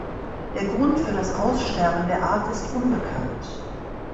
Der Grund für das Aussterben der Art ist unbekannt.